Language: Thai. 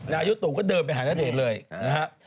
นายกตู่ก็เดินไปหาณเดชน์เลยนะฮะ